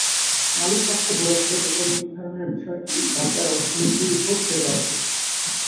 মালিকপক্ষ বলেছে, বেতন নির্ধারণের বিষয়টি বাজার অর্থনীতির ওপর ছেড়ে দেওয়া উচিত।